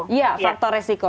iya faktor resiko